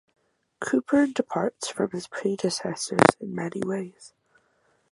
Couperin departs from his predecessors in many ways.